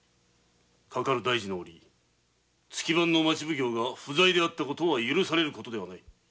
かかる大事のおり月番の町奉行が不在であった事は許される事ではない。